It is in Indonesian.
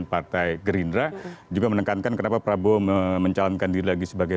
partai gerindra juga menekankan kenapa prabowo mencalonkan diri lagi sebagai